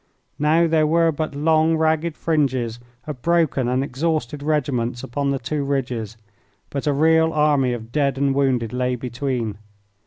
Now there were but long, ragged fringes of broken and exhausted regiments upon the two ridges, but a real army of dead and wounded lay between.